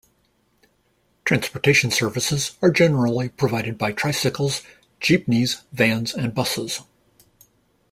Transportation services are generally provided by tricycles, jeepneys, vans and buses.